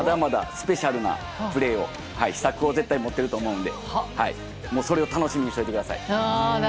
まだまだスペシャルなプレー秘策を絶対持っていると思うので、それを楽しみにしておいてください。